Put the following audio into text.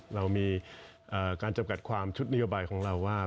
เรามีการจำกัดความชุดนโยบายของเราว่า